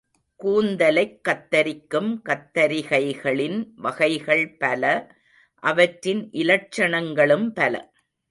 கூந்தலைக் கத்தரிக்கும் கத்தரிகைகளின் வகைகள் பல, அவற்றின் இலட்சணங்களும் பல.